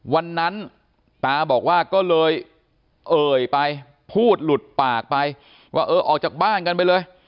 วันนั้นตาบอกว่าก็เลยเอ่ยไปพูดหลุดปากไปว่าเออออกจากบ้านกันไปเลย